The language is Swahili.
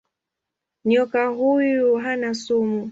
Nyoka huyu hana sumu.